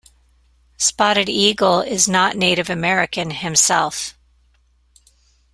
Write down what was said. Spotted Eagle is not Native American himself.